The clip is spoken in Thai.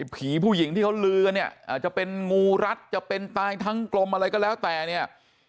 ผีผู้หญิงที่เขาลือกันเนี่ยอาจจะเป็นงูรัดจะเป็นตายทั้งกลมอะไรก็แล้วแต่เนี่ย